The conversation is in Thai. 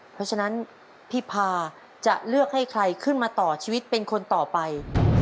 เพราะฉะนั้นพี่พาจะเลือกให้ใครขึ้นมาต่อชีวิตเป็นคนต่อไป